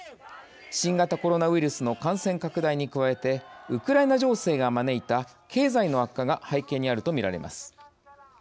新型コロナウイルスの感染拡大に加えてウクライナ情勢が招いた経済の悪化が背景にあると見られます。